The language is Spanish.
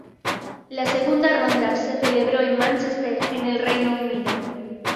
La segunda ronda se celebró en Manchester en el Reino Unido.